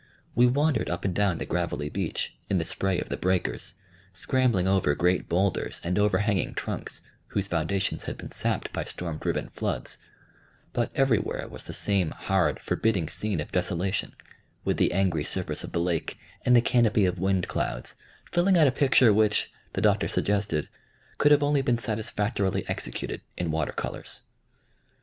We wandered up and down the gravelly beach, in the spray of the breakers, scrambling over great bowlders and overhanging trunks whose foundations had been sapped by storm driven floods; but everywhere was the same hard, forbidding scene of desolation, with the angry surface of the lake and the canopy of wind clouds filling out a picture which, the Doctor suggested, could have only been satisfactorily executed in water colors.